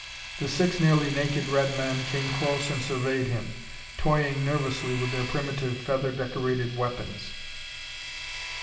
The six nearly naked red men came close and surveyed him, toying nervously with their primitive, feather decorated weapons.